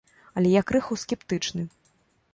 Але я крыху скептычны.